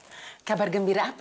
bukan dengar dengar saat itu